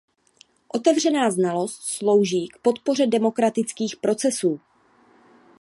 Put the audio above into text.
Otevřená znalost slouží k podpoře demokratických procesů.